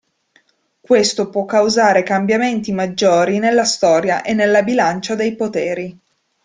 Questo può causare cambiamenti maggiori nella storia e nella bilancia dei poteri.